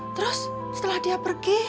terus setelah dia pergi